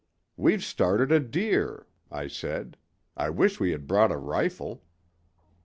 "'We've started a deer,' I said. 'I wish we had brought a rifle.